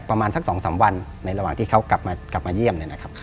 ประมาณสัก๒๓วันในระหว่างที่เขากลับมาเยี่ยม